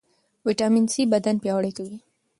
ویټامین سي بدن پیاوړی کوي.